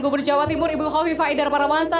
gubernur jawa timur ibu bukalifah idar paramansa